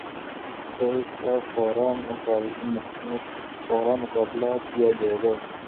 تو اس کا فورا مقابلہ کیا جائے گا۔